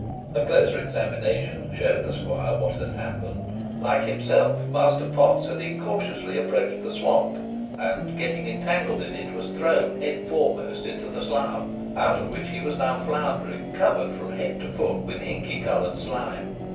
A closer examination showed the squire what had happened. Like himself, Master Potts had incautiously approached the swamp, and, getting entangled in it, was thrown, head foremost, into the slough; out of which he was now floundering, covered from head to foot with inky coloured slime.